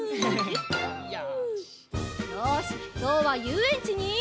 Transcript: よしきょうはゆうえんちに。